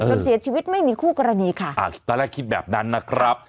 จนเสียชีวิตไม่มีคู่กรณีค่ะอ่าตอนแรกคิดแบบนั้นนะครับ